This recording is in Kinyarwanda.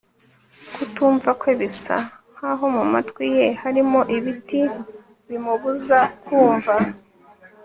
kutumva kwe bisa nk'aho mu matwi ye harimo ibiti bimubuza kumva